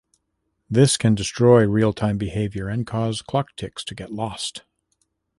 This can destroy real-time behavior and cause clock ticks to get lost.